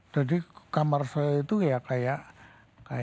jadi kamar saya itu ya kayak kotoran